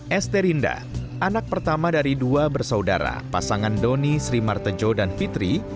esterinda anak pertama dari dua bersaudara pasangan doni sri martejo dan fitri